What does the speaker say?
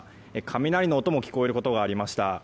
雷の音も聞こえることがありました。